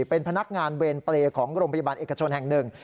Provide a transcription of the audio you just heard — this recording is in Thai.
เป็นพนักงานเวรเปรย์ของโรงพยาบาลเอกชนแห่งหนึ่ง